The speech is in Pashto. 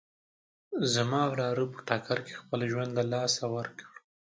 زما وراره په ټکر کې خپل ژوند له لاسه ورکړ